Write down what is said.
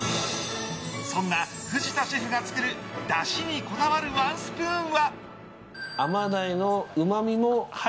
そんな藤田シェフが作るだしにこだわるワンスプーンは。